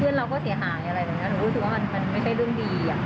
เราก็เสียหายอะไรแบบนี้หนูรู้สึกว่ามันไม่ใช่เรื่องดี